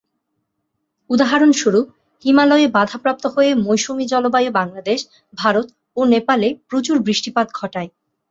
উদাহরণস্বরূপ, হিমালয়ে বাধাপ্রাপ্ত হয়ে মৌসুমী জলবায়ু বাংলাদেশ, ভারত ও নেপালে প্রচুর বৃষ্টিপাত ঘটায়।